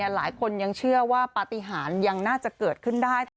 หลายคนยังเชื่อว่าปฏิหารยังน่าจะเกิดขึ้นได้